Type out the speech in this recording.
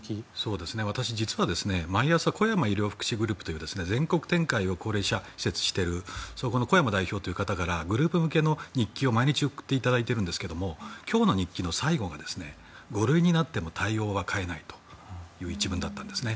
私、実は、毎朝コヤマ医療福祉グループという高齢者施設を全国展開しているそこのコヤマ代表という方からグループ向けの日記を毎日送っていただいているんですが今日の日記の最後が５類になっても対応は変えないという１文だったんですね。